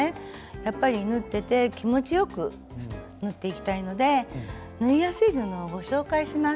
やっぱり縫ってて気持ちよく縫っていきたいので縫いやすい布をご紹介します。